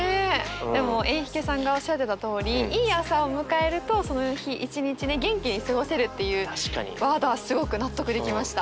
でもエンヒケさんがおっしゃってたとおりいい朝を迎えるとその日一日ね元気に過ごせるっていうワードはすごく納得できました。